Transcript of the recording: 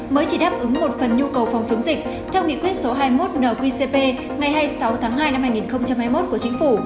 mới chỉ đáp ứng một phần nhu cầu phòng chống dịch theo nghị quyết số hai mươi một nqcp ngày hai mươi sáu tháng hai năm hai nghìn hai mươi một của chính phủ